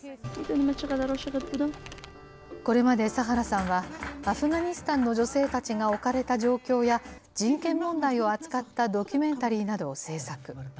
これまでサハラさんは、アフガニスタンの女性たちが置かれた状況や、人権問題を扱ったドキュメンタリーなどを製作。